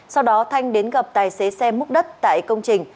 sau đó thanh đến gặp tài xế xe múc đất tại công trình